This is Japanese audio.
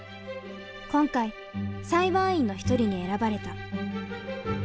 今回裁判員の一人に選ばれた。